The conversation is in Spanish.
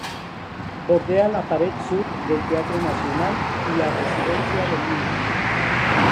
Bordea la pared sur del Teatro Nacional y la Residencia de Múnich.